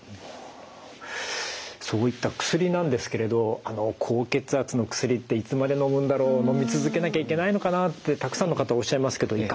そういった薬なんですけれど高血圧の薬っていつまでのむんだろう？のみ続けなきゃいけないのかな？ってたくさんの方おっしゃいますけどいかがですか？